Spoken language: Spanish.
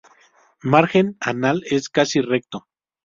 Margen anal es casi recto.